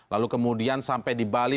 lalu kemudian sampai di bali